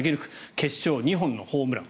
決勝２本のホームラン